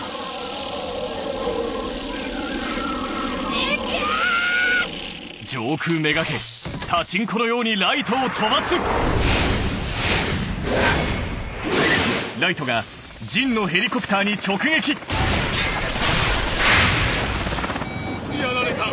行け‼やられた！